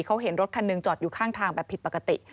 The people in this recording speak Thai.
เขาเห็นรถคันหนึ่งจอดอยู่ข้างทางแบบผิดปกติ